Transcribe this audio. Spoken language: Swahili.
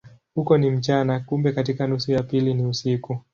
Huko ni mchana, kumbe katika nusu ya pili ni usiku.